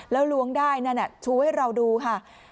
แล้วล้วงได้นั่นชูให้เราดูค่ะ